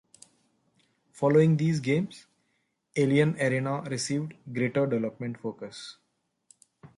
Following these games, "Alien Arena" received greater development focus.